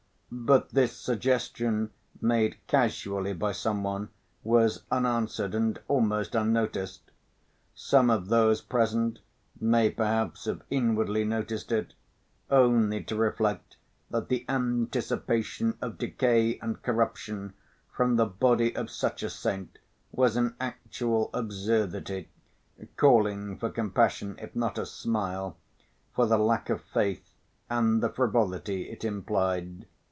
But this suggestion made casually by some one was unanswered and almost unnoticed. Some of those present may perhaps have inwardly noticed it, only to reflect that the anticipation of decay and corruption from the body of such a saint was an actual absurdity, calling for compassion (if not a smile) for the lack of faith and the frivolity it implied.